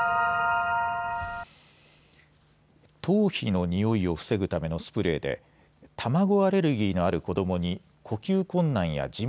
頭皮のにおいを防ぐためのスプレーで卵アレルギーのある子どもに呼吸困難やじん